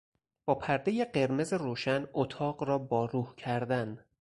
با پردهی قرمز روشن اتاق را با روح کردن